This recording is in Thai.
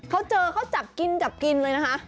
เขาเจอเขาจับกินจับกินเลยนะคะ